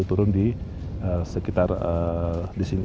turun di sekitar di sini